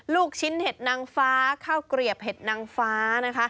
ลูกชิ้นเห็ดนางฟ้าเข้ากรีบเห็ดนางฟ้า